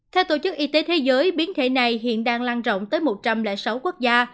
theo tổ chức y tế thế giới biến thể này hiện đang lan rộng tới một trăm linh sáu quốc gia